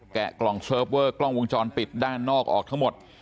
กล่องเซิร์ฟเวอร์กล้องวงจรปิดด้านนอกออกทั้งหมด